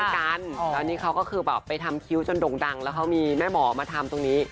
แล้วนี่เขาก็คือแบบไปทำคิ้วจนด่งดังแล้วเขามีแม่หมอมาทำตรงนี้